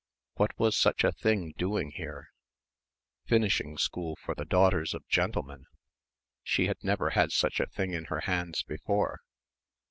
What was such a thing doing here?... Finishing school for the daughters of gentlemen.... She had never had such a thing in her hands before....